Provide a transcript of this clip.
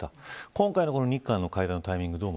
今回の日韓の会談のタイミング